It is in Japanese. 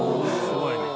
すごいね。